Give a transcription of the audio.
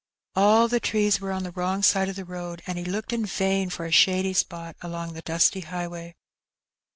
All the trees were on the wrong side of the road^ and he looked in vain for a shady spot along the dusty highway.